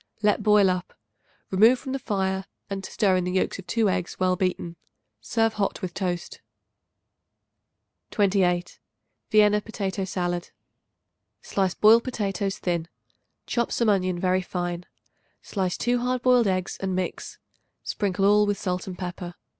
Let boil up; remove from the fire and stir in the yolks of 2 eggs well beaten. Serve hot with toast. 28. Vienna Potato Salad. Slice boiled potatoes thin; chop some onion very fine; slice 2 hard boiled eggs and mix. Sprinkle all with salt and pepper.